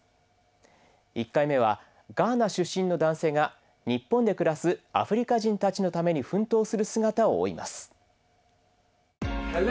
１回目はガーナ出身の男性が日本で暮らすアフリカ人たちのために奮闘する姿を追います。